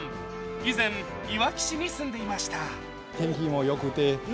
以前、いわき市に住んでいました。